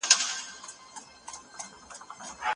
څوک غواړي صادرات په بشپړ ډول کنټرول کړي؟